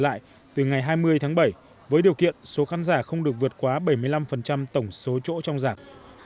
lại từ ngày hai mươi tháng bảy với điều kiện số khán giả không được vượt quá bảy mươi năm tổng số chỗ trong giảm